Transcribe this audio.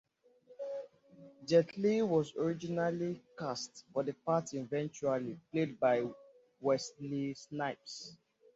Jet Li was originally cast for the part eventually played by Wesley Snipes.